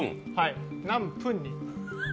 何分に。